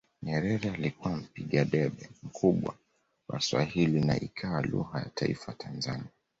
Nyerere alikuwa mpiga debe mkubwa wa Swahili na ikawa lugha ya taifa ya Tanzania